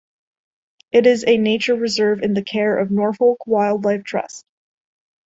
It is a nature reserve in the care of Norfolk Wildlife Trust.